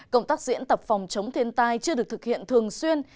công tác diễn tập phòng chống thiên tai chưa được thực hiện thường xuyên